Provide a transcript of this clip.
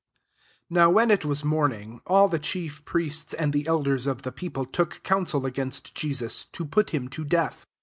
l now when it was morning, all the chief priests and the elders of the peo ple took counsel against Jesus, to put him to death.